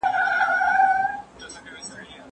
ده غوښتل چې د خپلې لور لپاره یوه وړه ډالۍ واخلي.